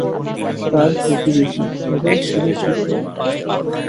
তার প্রতিবেশী সবাই ছিল কৃষক।